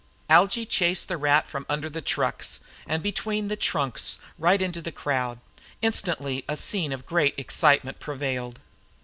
Algy chased the rat from under the trucks and between the trunks right into the crowd. Instantly a scene of great excitement prevailed.